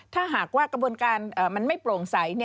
ถ้าหากว่ากระบวนการมันไม่โปร่งใส